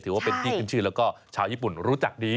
ถือว่าเป็นที่ขึ้นชื่อแล้วก็ชาวญี่ปุ่นรู้จักดี